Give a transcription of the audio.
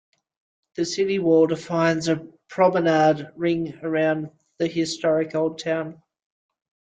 The city wall defines a promenade ring around the historic Old Town.